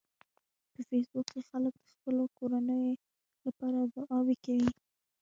په فېسبوک کې خلک د خپلو کورنیو لپاره دعاوې کوي